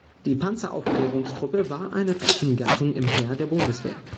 Die Panzeraufklärungstruppe war eine Truppengattung im Heer der Bundeswehr.